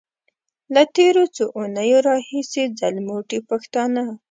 له تېرو څو اونيو راهيسې ځلموټي پښتانه.